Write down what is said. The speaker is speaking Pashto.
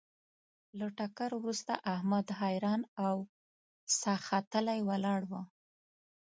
له ټکر ورسته احمد حیران او ساه ختلی ولاړ و.